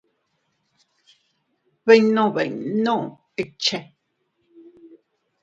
Binnu binnu ikche.